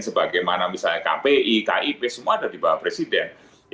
sebagaimana misalnya kpi kib semua ada di bawah presiden